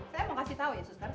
saya mau kasih tahu ya suster